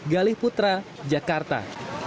galih putra jakarta